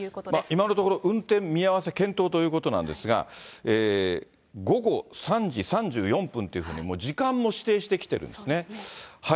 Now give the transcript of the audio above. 今のところ、運転見合わせ検討ということなんですが、午後３時３４分というふうに、もう時間も指定してきているんですね。